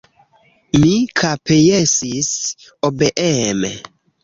Mi kapjesis obeeme.